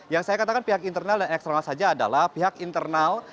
yang saya katakan pihak internal dan eksternal saja adalah pihak internal